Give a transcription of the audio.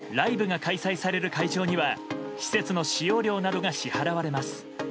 ライブが開催される会場には施設の使用料などが支払われます。